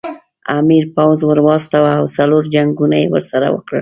امیر پوځ ور واستاوه او څلور جنګونه یې ورسره وکړل.